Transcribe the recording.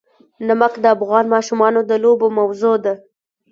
نمک د افغان ماشومانو د لوبو موضوع ده.